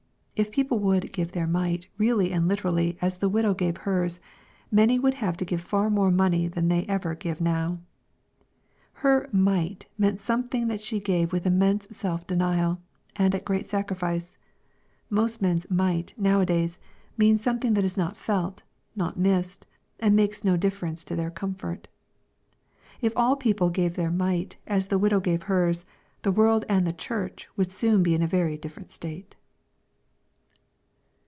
If people would "give their mite" really and literally as the widow gave her's, many would have to give far more money than they ever give now. Her "mite" meant something that she gave with immense self denial, and at great sacrifice. Most men's " mite," now a days, means something that is not felt, not missed, and makes no difference to their comfort. If all people gave their " mite," as the widow gave her's, the world and tie Church would soon be in a very different state.